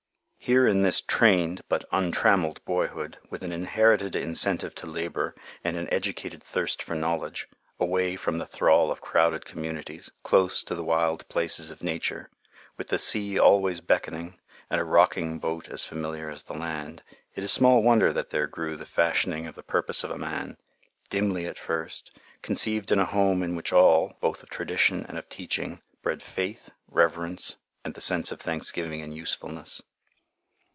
Here in this trained, but untrammeled, boyhood, with an inherited incentive to labor and an educated thirst for knowledge, away from the thrall of crowded communities, close to the wild places of nature, with the sea always beckoning and a rocking boat as familiar as the land, it is small wonder that there grew the fashioning of the purpose of a man, dimly at first, conceived in a home in which all, both of tradition and of teaching, bred faith, reverence, and the sense of thanksgiving in usefulness.